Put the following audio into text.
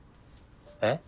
えっ？